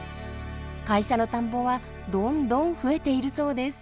会社の田んぼはどんどん増えているそうです。